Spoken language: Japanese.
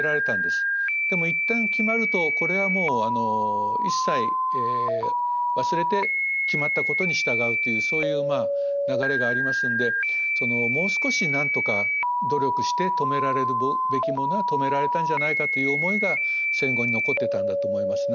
でもいったん決まるとこれはもう一切忘れて決まったことに従うというそういう流れがありますんでもう少しなんとか努力して止められるべきものは止められたんじゃないかという思いが戦後に残ってたんだと思いますね。